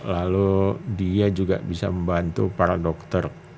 lalu dia juga bisa membantu para dokter